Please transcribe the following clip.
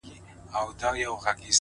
عاجزي دروازې پرانیزي